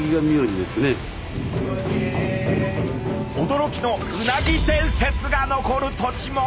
驚きのうなぎ伝説が残る土地も！